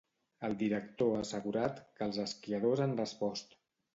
El director ha assegurat que els esquiadors han respost.